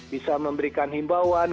bisa memberikan himbauan